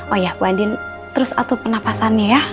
oh iya bu andin terus atur penapasannya ya